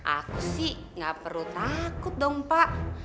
aku sih gak perlu takut dong pak